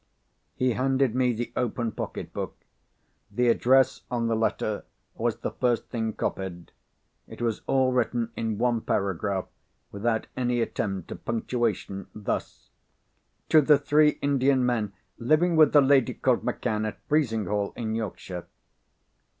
He handed me the open pocket book. The address on the letter was the first thing copied. It was all written in one paragraph, without any attempt at punctuation, thus: "To the three Indian men living with the lady called Macann at Frizinghall in Yorkshire."